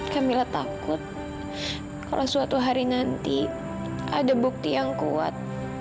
camilla takut kalau suatu hari nanti ada bukti yang kuat